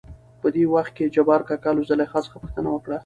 .په دې وخت کې جبارکاکا له زليخا څخه پوښتنه وکړ.